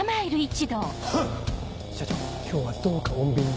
社長今日はどうか穏便に。